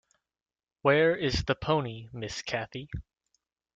Where is the pony, Miss Cathy?